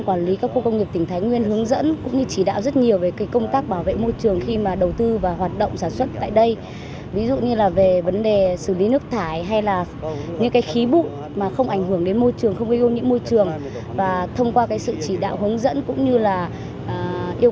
cả các khu công nghiệp tỉnh và duy trì hoạt động bằng kinh phi đóng góp của các doanh nghiệp tỉnh và duy trì hoạt động bằng kinh phi đóng góp của các doanh nghiệp